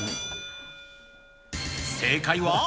正解は？